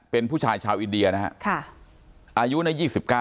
เป็นผู้ชายชาวอินเดียนะฮะอายุใน๒๙